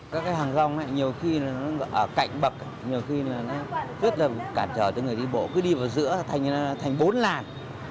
các cái hàng rong này nhiều khi nó ở cạnh bậc nhiều khi nó rất là cản trở cho người đi bộ cứ đi vào giữa thành bốn làn